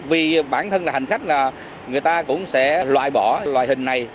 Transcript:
vì bản thân là hành khách là người ta cũng sẽ loại bỏ loại hình này